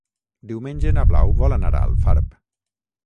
Diumenge na Blau vol anar a Alfarb.